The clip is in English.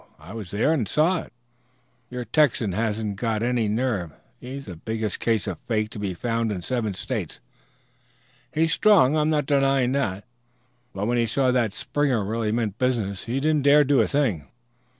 I was there and saw it. Your Texan hasn't got any nerve. He's the biggest case of fake to be found in seven States. He's strong, I'm not denying that; but when he saw that Springer really meant business he didn't dare do a thing."